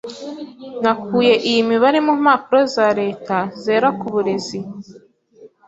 Nakuye iyi mibare mu mpapuro za leta zera ku burezi.